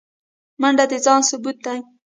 منډه د ځان ثبوت دی